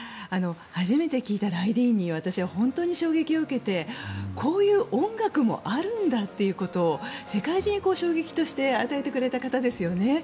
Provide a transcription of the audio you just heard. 初めて聴いた「ライディーン」に私は本当に衝撃を受けてこういう音楽もあるんだっていうことを世界中に衝撃として与えてくれた方ですよね。